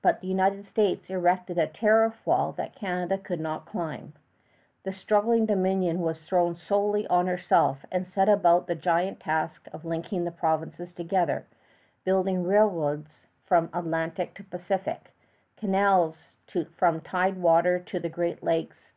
But the United States erected a tariff wall that Canada could not climb. The struggling Dominion was thrown solely on herself, and set about the giant task of linking the provinces together, building railroads from Atlantic to Pacific, canals from tide water to the Great Lakes.